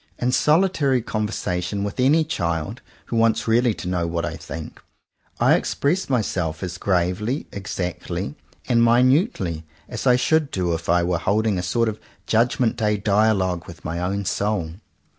In solitary conversation with any child, who wants really to know what I think, I express my self as gravely, exactly, and minutely as I should do if I were holding a sort of Judg ment Day Dialogue with my own soul.